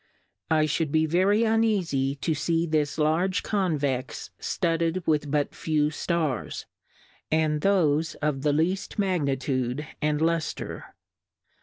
I fhould be very uneafie to fee this large Convex ftudded with but few Stars, and thofc of the lead Magnitude and Luftre.